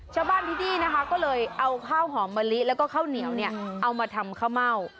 ชาวบ้านที่นี่นะคะก็เลยเอาข้าวหอมมะลิแล้วก็ข้าวเหนียวเนี่ยเอามาทำข้าวเม่า